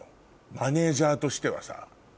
マネジャーとしてはさ。